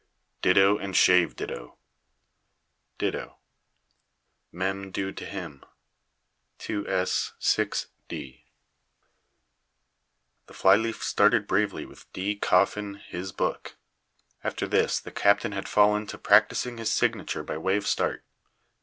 Ditto and shave ditto ditto Mem. do. to him 2s. 6d. The fly leaf started bravely with "D. Coffin, His Book." After this the captain had fallen to practising his signature by way of start.